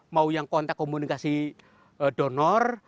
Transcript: mau yang kontak komunikasi donor